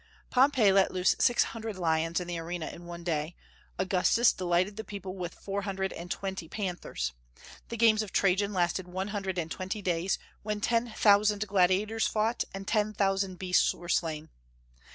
Pompey let loose six hundred lions in the arena in one day; Augustus delighted the people with four hundred and twenty panthers. The games of Trajan lasted one hundred and twenty days, when ten thousand gladiators fought, and ten thousand beasts were slain.